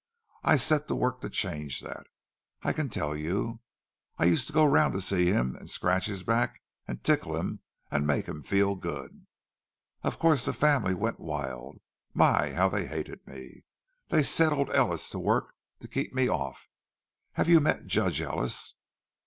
I set to work to change that, I can tell you. I used to go around to see him, and scratch his back and tickle him and make him feel good. Of course the family went wild—my, how they hated me! They set old Ellis to work to keep me off—have you met Judge Ellis?"